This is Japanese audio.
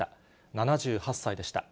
７８歳でした。